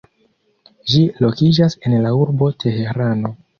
Ĝi lokiĝas en la urbo Teherano.